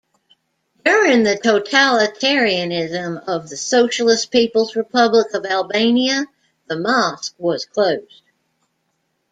During the totalitarianism of the Socialist People's Republic of Albania, the mosque was closed.